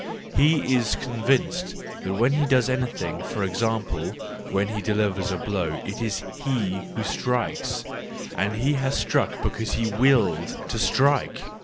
He is convinced that when he does anything, for example, when he delivers a blow, it is he who strikes, and he has struck because he willed to strike.